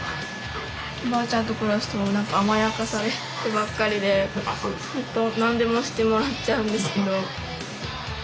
おばあちゃんと暮らすと甘やかされてばっかりで本当何でもしてもらっちゃうんですけど。